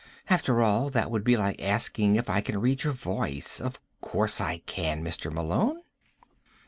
After all, that would be like asking if I can read your voice. Of course I can, Mr. Malone."